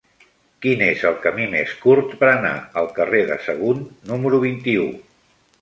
Quin és el camí més curt per anar al carrer de Sagunt número vint-i-u?